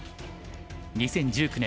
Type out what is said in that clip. ２０１９年